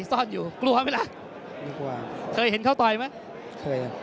ซ่อนอยู่กลัวไหมล่ะไม่กลัวเคยเห็นเขาต่อยไหมเคยครับ